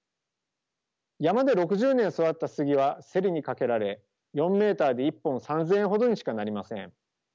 山で６０年育ったスギは競りにかけられ４ｍで１本３，０００円ほどにしかなりません。